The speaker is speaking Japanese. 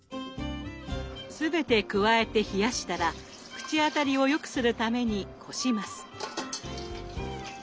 全て加えて冷やしたら口当たりをよくするためにこします。